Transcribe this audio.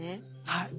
はい。